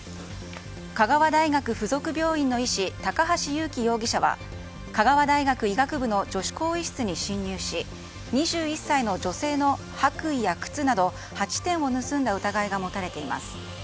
香川大学付属病院の医師高橋宥貴容疑者は香川大学医学部の女子更衣室に侵入し２１歳の女性の白衣や靴など８点を盗んだ疑いが持たれています。